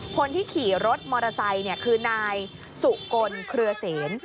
คนที่ขี่รถมอเตอร์ไซค์คือนายสุกลเครือเสน